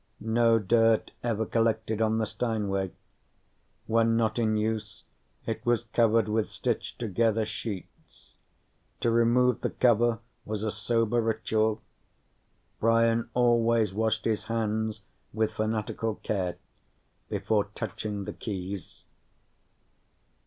No dirt ever collected on the Steinway. When not in use, it was covered with stitched together sheets. To remove the cover was a sober ritual; Brian always washed his hands with fanatical care before touching the keys.